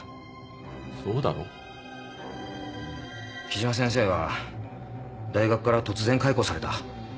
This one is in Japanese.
木島先生は大学から突然解雇された。